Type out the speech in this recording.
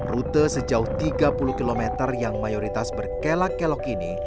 rute sejauh tiga puluh km yang mayoritas berkelak kelok ini